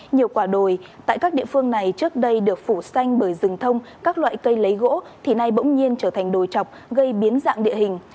nhiều quả đồi tại các địa phương này trước đây được phủ xanh bởi rừng thông các loại cây lấy gỗ thì nay bỗng nhiên trở thành đồi chọc gây biến dạng địa hình